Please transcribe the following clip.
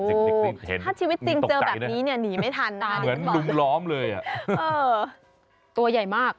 ถ้าชีวิตจริงเจอแบบนี้เนี่ยหนีไม่ทันนะเหมือนล้อมเลยอ่ะตัวใหญ่มาก